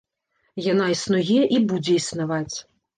Яна існуе і будзе існаваць.